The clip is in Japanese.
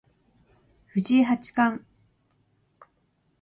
藤井八冠